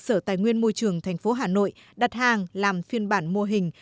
đã được sở tài nguyên môi trường tp hà nội đặt hàng làm phiên bản mô hình